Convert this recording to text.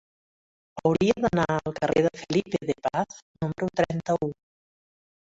Hauria d'anar al carrer de Felipe de Paz número trenta-u.